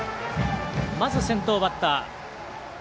まず先頭バッター